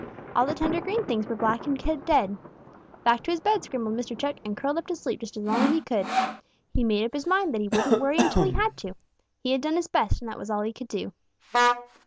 All the tender green things were black and dead. Back to his bed scrambled Mr. Chuck and curled up to sleep just as long as he could. He made up his mind that he wouldn't worry until he had to. He had done his best, and that was all he could do.